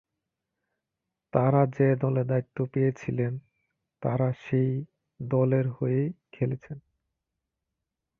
তাঁরা যে দলে দায়িত্ব পেয়েছিলেন তাঁরা সেই দলের হয়েই খেলেছেন।